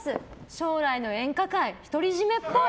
将来の演歌界、独り占めっぽい。